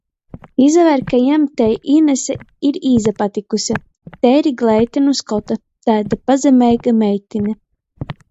Izaver, ka jam tei Inese ir īsapatykuse. Teiri gleita nu skota, taida pazeimeiga meitine.